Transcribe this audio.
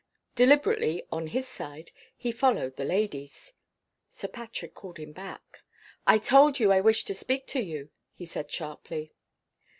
Deliberately, on his side, he followed the ladies. Sir Patrick called him back. "I told you I wished to speak to you," he said, sharply.